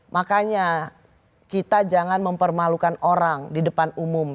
makanya kita jangan mempermalukan orang di depan umum